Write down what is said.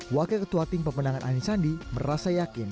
wakil ketua tim pemenangan anies sandi merasa yakin